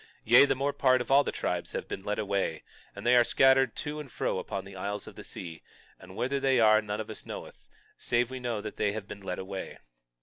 Yea, the more part of all the tribes have been led away; and they are scattered to and fro upon the isles of the sea; and whither they are none of us knoweth, save that we know that they have been led away.